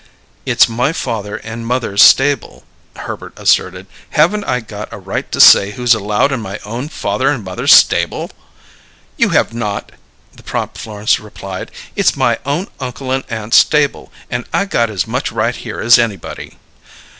"It's my father and mother's stable," Herbert asserted. "Haven't I got a right to say who's allowed in my own father and mother's stable?" "You have not," the prompt Florence replied. "It's my own uncle and aunt's stable, and I got as much right here as anybody."